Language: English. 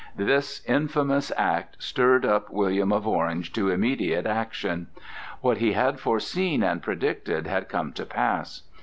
This infamous act stirred up William of Orange to immediate action. What he had foreseen and predicted had come to pass.